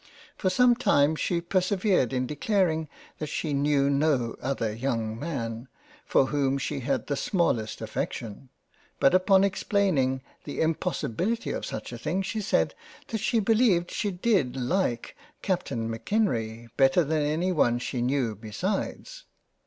For some time, she persevered in declaring that she knew no other young man for whom she had the smallest Affection ; but upon explain ing the impossibility of such a thing she said that she beleived she did like Captain M'Kenrie better than any one she knew besides.